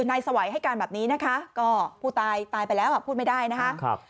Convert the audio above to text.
นายสวัยให้การแบบนี้นะคะก็ผู้ตายตายไปแล้วอ่ะพูดไม่ได้นะคะ